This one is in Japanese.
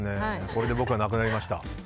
これで僕はなくなりました。